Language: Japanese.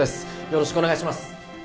よろしくお願いします